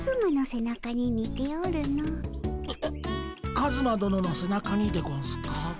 カズマ殿のせなかにでゴンスか？